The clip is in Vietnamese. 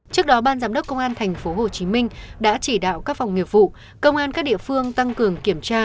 trước đó ban giám đốc công an tp hcm đã chỉ đạo các phòng nghiệp vụ công an các địa phương tăng cường kiểm tra